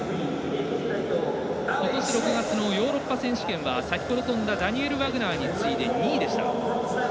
ことし６月のヨーロッパ選手権は先ほど跳んだダニエル・ワグナーに次いで２位でした。